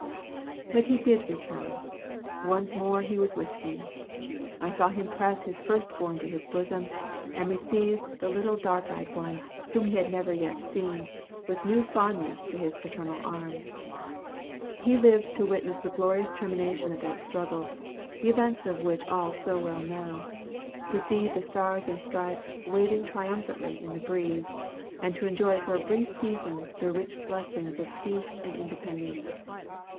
"But he did return. Once more he was with me. I saw him press his first born to his bosom, and receive the little dark eyed one, whom he had never yet seen, with new fondness to his paternal arms. He lived to witness the glorious termination of that struggle, the events of which all so well know; to see the 'stars and stripes' waving triumphantly in the breeze, and to enjoy for a brief season the rich blessings of peace and independence.